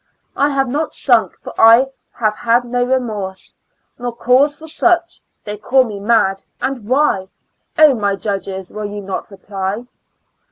I have not sunk, for I had no remorse, Nor cause for such — they called me mad — and why Oh, my judges ! will not you reply